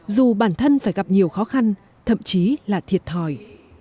dù bản thân phải gặp nhiều khó khăn thậm chí là thiệt thòi